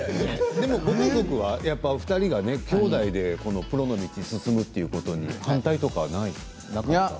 でもご家族はお二人がきょうだいでプロの道に進むということに反対とかはないの？